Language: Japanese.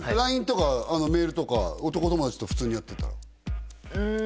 ＬＩＮＥとかメールとか男友達と普通にやってたら？